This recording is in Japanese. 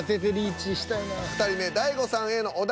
２人目大悟さんへのお題